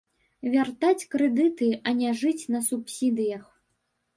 Вяртаць крэдыты, а не жыць на субсідыях.